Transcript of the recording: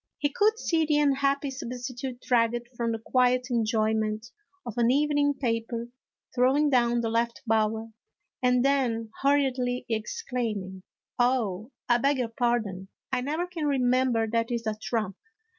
He could see the unhappy substitute dragged from the quiet enjoyment of an evening paper, throwing down the left bower, and then hurriedly exclaiming :" Oh, I beg your pardon, I never can remember that is a trump."